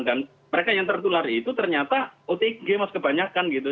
dan mereka yang tertular itu ternyata otg mas kebanyakan gitu